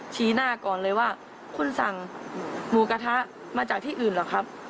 ชี้หน้าก่อนเลยว่าคุณสั่งหมูกระทะมาจากที่อื่นเหรอครับ